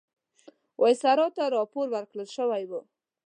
وایسرا ته راپور ورکړل شوی وو.